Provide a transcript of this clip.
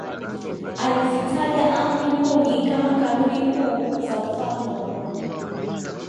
alizitaja Amri kumi kama kanuni kuu za Ufalme wa Mungu